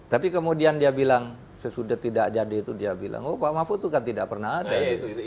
tapi kemudian dia bilang sesudah tidak jadi itu dia bilang oh pak mahfud itu kan tidak pernah ada